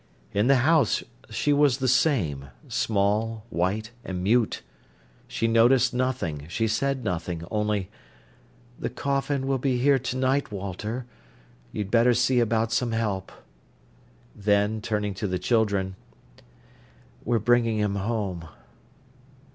In the house she was the same—small, white, and mute. She noticed nothing, she said nothing, only: "The coffin will be here to night, Walter. You'd better see about some help." Then, turning to the children: "We're bringing him home."